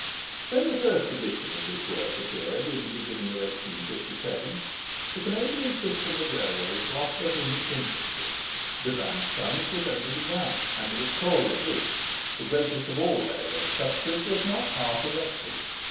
When the first edition of this work appeared, in the beginning of 1857, the Canadian system of railways was but in its infancy. The Grand Trunk was only begun, and the Victoria Bridge—the greatest of all railway structures—was not half erected.